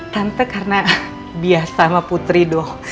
tante karena biasa sama putri dong